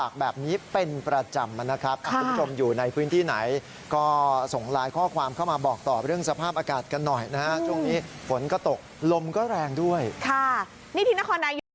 กันหน่อยนะฮะช่วงนี้ฝนก็ตกลมก็แรงด้วยค่ะนี่ที่นครนายุ